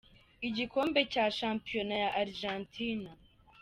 Igikombe cya Shampiyona ya Argentina